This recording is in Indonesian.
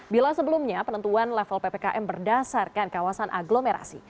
bila sebelumnya penentuan level ppkm berdasarkan kawasan agglomerasi